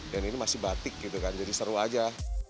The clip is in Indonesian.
dan ini masih batik gitu kan jadi seru aja